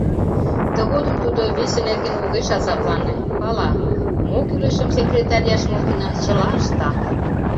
Тыгодым тудо весе нерген огеш азаплане, пала: мо кӱлешым секретарь Яшмолкина чыла ышта.